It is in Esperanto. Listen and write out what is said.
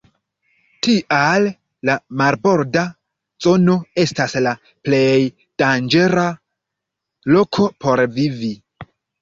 Tial la marborda zono estas la plej danĝera loko por vivi.